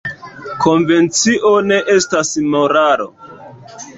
Konvencio ne estas moralo.